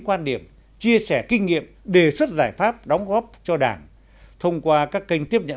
quan điểm chia sẻ kinh nghiệm đề xuất giải pháp đóng góp cho đảng thông qua các kênh tiếp nhận